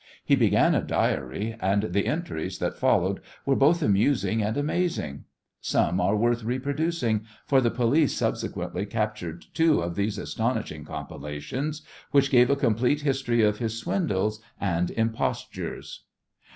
He began a diary, and the entries that followed were both amusing and amazing. Some are worth reproducing, for the police subsequently captured two of these astonishing compilations, which gave a complete history of his swindles and impostures.